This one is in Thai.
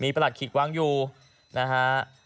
ประหลัดขิกวางอยู่นะฮะ